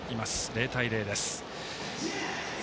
０対０です。